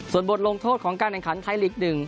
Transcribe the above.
ส่วนบทลงโทษของการแข่งขันไทยลีก๑